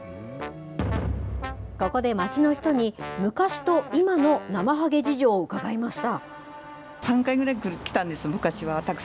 ここで街の人に、昔と今のなまはげ事情を伺いました。